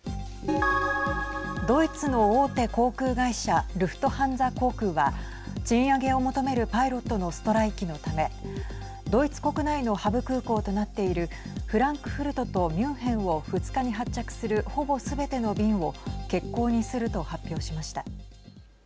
ドイツの大手航空会社ルフトハンザ航空は賃上げを求めるパイロットのストライキのためドイツ国内のハブ空港となっているフランクフルトとミュンヘンを２日に発着するほぼすべての便を欠航にすると発表しました。